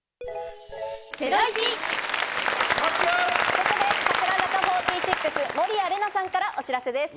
ここで櫻坂４６・守屋麗奈さんからお知らせです。